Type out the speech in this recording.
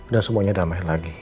dan semuanya damai lagi